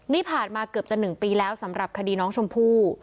นี่ผ่านมาเกือบจะ๑ปีแล้วสำหรับคดีน้องชมพู่